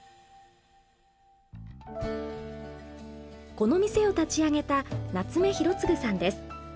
この店を立ち上げた夏目浩次さんです。